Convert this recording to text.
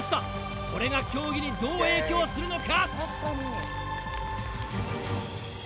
これが競技にどう影響するのか？